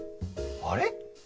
あれ？